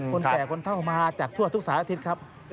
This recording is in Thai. คนแก่คนเท่ามาจากทั่วทุกสารอาทิตย์ครับ